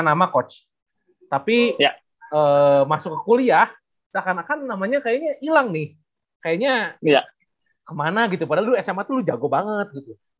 banyak pemain yang biasanya di level sma tuh cukup punya pengetahuan yang banyak di sini ya